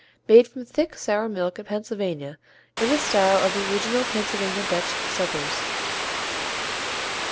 _ Made from thick sour milk in Pennsylvania in the style of the original Pennsylvania Dutch settlers.